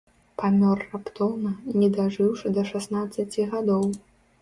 Памёр раптоўна, не дажыўшы да шаснаццаці гадоў.